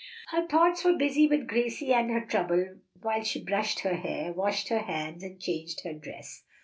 Her thoughts were busy with Gracie and her trouble while she brushed her hair, washed her hands, and changed her dress.